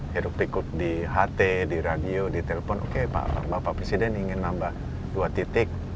hirup pikuk di ht di radio di telpon oke bapak presiden ingin nambah dua titik